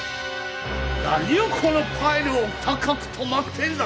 何をこのパイルお高くとまってんだ！